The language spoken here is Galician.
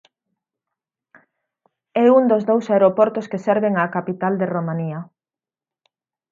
É un dos dous aeroportos que serven á capital de Romanía.